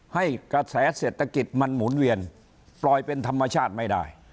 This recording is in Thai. ให้กระแสเศรษฐกิจมันหมุนเวียนปล่อยเป็นธรรมชาติไม่ได้